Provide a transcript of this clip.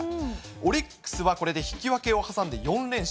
オリックスはこれで引き分けを挟んで４連勝。